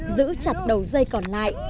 giữ chặt đầu dây còn lại